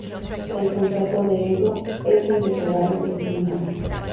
El contrato de Edu es el de jugador designado.